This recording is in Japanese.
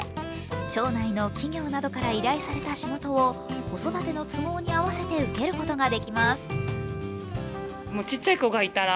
町内の企業などから依頼された仕事を子育ての都合に合わせて受けることができます。